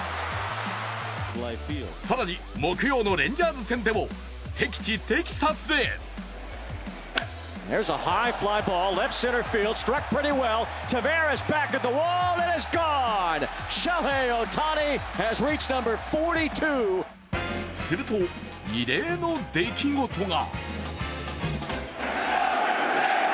更に木曜のレンジャーズ戦でも敵地テキサスですると異例の出来事が。